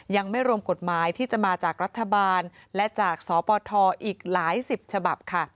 ยังไม่รวมกฎหมายที่จะมาจากรัฐบาลและจากสปทอีกหลายสิบฉบับค่ะ